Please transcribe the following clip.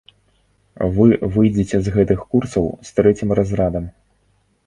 Вы выйдзеце з гэтых курсаў з трэцім разрадам.